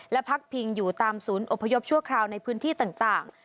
และพักพิงอยู่ตามศูนย์อพยพชั่วคราวในพื้นที่ต่าง